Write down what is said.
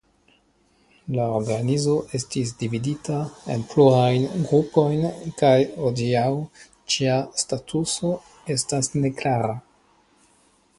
La organizo estis dividita en plurajn grupojn kaj hodiaŭ ĝia statuso estas neklara.